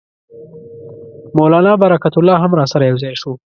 مولنا برکت الله هم راسره یو ځای شو.